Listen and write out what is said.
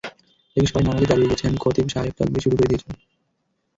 দেখি সবাই নামাজে দাঁড়িয়ে গেছেন, খতিব সাহেব তকবির শুরু করে দিয়েছেন।